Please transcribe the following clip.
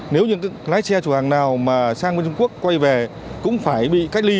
nếu những lái xe chủ hàng nào mà sang trung quốc quay về cũng phải bị cách ly